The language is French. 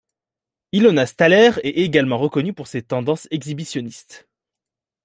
Ilona Staller est également reconnue pour ses tendances exhibitionnistes.